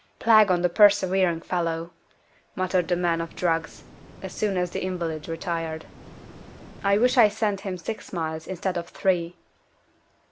"Plague on the persevering fellow!" muttered the man of drugs, as soon as the invalid retired. "I wish I'd sent him six miles, instead of three."